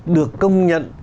được công nhận